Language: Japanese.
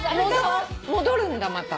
戻るんだまた。